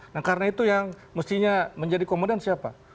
nah karena itu yang mestinya menjadi komandan siapa